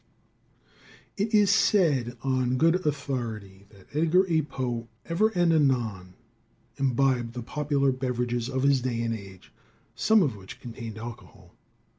It is said on good authority that Edgar A. Poe ever and anon imbibed the popular beverages of his day and age, some of which contained alcohol.